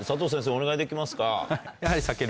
お願いできますか。